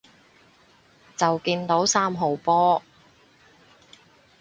就見到三號波